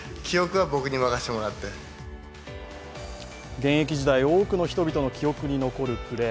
現役時代、多くの人々の記憶に残るプレー